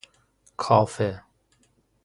کافه